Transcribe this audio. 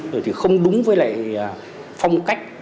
rồi thì không đúng với lại phong cách